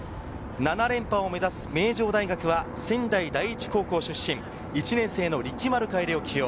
７連覇を目指す名城大学は仙台第一高校出身、１年生の力丸楓を起用。